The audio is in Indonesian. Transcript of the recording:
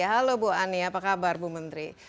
halo bu ani apa kabar bu menteri